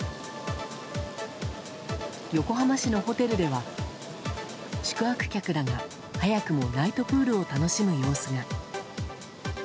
横浜市のホテルでは、宿泊客らが早くもナイトプールを楽しむ様子が。